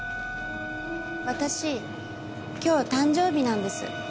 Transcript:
私今日誕生日なんです。